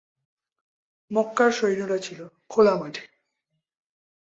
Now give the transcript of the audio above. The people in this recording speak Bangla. মক্কার সৈন্যরা ছিল খোলামাঠে।